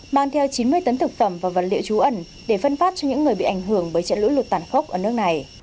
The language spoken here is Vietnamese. mang theo chín mươi tấn thực phẩm và vật liệu trú ẩn để phân phát cho những người bị ảnh hưởng bởi trận lũ lụt tàn khốc ở nước này